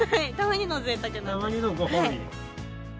たまにのご褒美？